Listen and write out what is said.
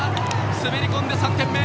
滑り込んで３点目。